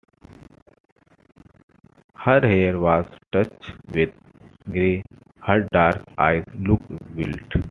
Her hair was touched with grey, her dark eyes looked wild.